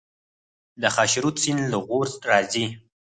د خاشرود سیند له غور راځي